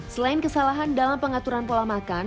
selain kesalahan dalam pengaturan pola makan